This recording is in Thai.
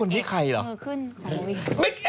แล้วคนที่ใครเหรอขึ้นขอบคุณค่ะ